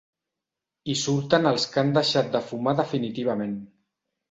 Hi surten els que han deixat de fumar definitivament.